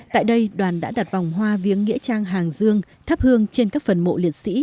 tại đây đoàn đã đặt vòng hoa viếng nghĩa trang hàng dương tháp hương trên các phần mộ liệt sĩ